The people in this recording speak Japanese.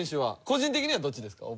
個人的にはどっちですか？